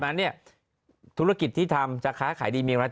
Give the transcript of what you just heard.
ดังนั้นเนี้ยธุรกิจที่ทำสาขาขายดีมีออกไปแล้ว